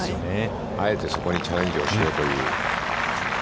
あえてそこにチャレンジをしようという。